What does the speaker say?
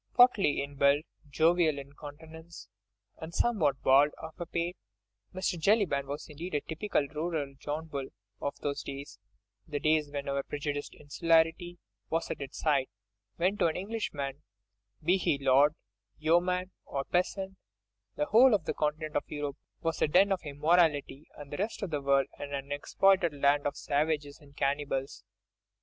Portly in build, jovial in countenance and somewhat bald of pate, Mr. Jellyband was indeed a typical rural John Bull of those days—the days when our prejudiced insularity was at its height, when to an Englishman, be he lord, yeoman, or peasant, the whole of the continent of Europe was a den of immorality, and the rest of the world an unexploited land of savages and cannibals.